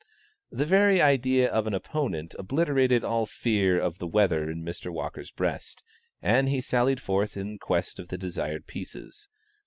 The very idea of an opponent obliterated all fear of the weather in Mr. Walker's breast, and he sallied forth in quest of the desired pieces.